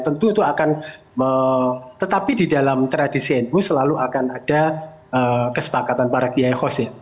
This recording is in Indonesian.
tentu itu akan tetapi di dalam tradisi nu selalu akan ada kesepakatan para kiai khosir